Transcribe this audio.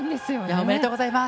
ありがとうございます。